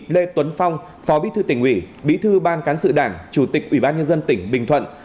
lê tuấn phong phó bí thư tỉnh ủy bí thư ban cán sự đảng chủ tịch ủy ban nhân dân tỉnh bình thuận